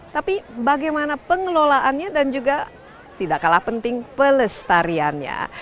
tapi bagaimana pengelolaannya dan juga tidak kalah penting pelestariannya